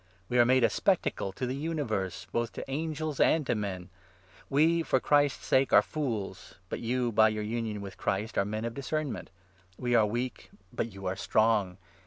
We are made a spectacle to the universe, both to angels and to men ! We, for Christ's sake, are 'fools,' but 10 you, by your union with Christ, are men of discernment. We are weak, but you are strong.